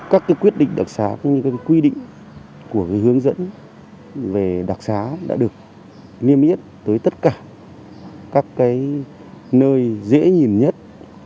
các quyết định đặc xá cũng như các quy định của hướng dẫn về đặc xá đã được niêm yết tới tất cả các nơi dễ nhìn nhất